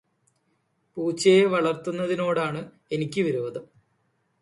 പൂച്ചയെ വളർത്തുന്നതിനോടാണ് എനിക്ക് വിരോധം.